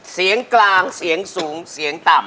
เสียงกลางเสียงสูงเสียงต่ำ